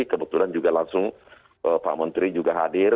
kebetulan juga langsung pak menteri juga hadir